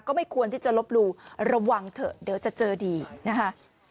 ไม่ควรที่จะลบหลู่ระวังเถอะเดี๋ยวจะเจอดีนะคะ